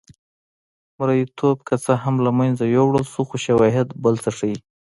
مریتوب که څه هم له منځه یووړل شو خو شواهد بل څه ښيي.